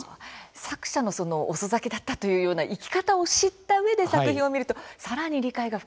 作者の遅咲きだったというような生き方を知った上で作品を見ると更に理解が深まりますよね。